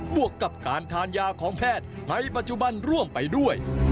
วกกับการทานยาของแพทย์ในปัจจุบันร่วมไปด้วย